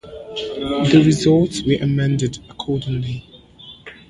The results were amended accordingly.